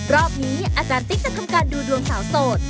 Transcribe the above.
รอบนี้อาจารย์ติ๊กจะทำการดูดวงสาวโสด